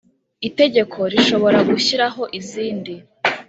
Itegeko rishobora gushyiraho izindi